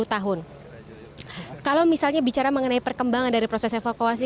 kemudian ada yang berjalan mencari dua korban yang diduga masih tertimbun di tanah akibat bencana longsor yang terjadi